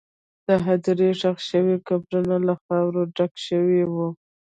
د هدیرې ښخ شوي قبرونه له خاورو ډک شوي وو.